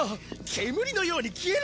煙のように消えるものか！